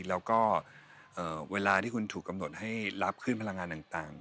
แล้วก็เวลาที่คุณถูกกำหนดให้รับขึ้นพลังงานต่าง